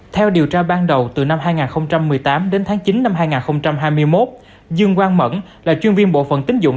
theo điều tra ban đầu từ năm hai nghìn một mươi tám đến tháng chín năm hai nghìn hai mươi một dương quang mẫn là chuyên viên bộ phận tính dụng